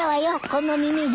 この耳で。